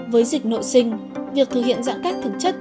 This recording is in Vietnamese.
với dịch nội sinh việc thực hiện giãn cách thực chất